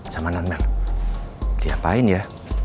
sama nan mel diapain ya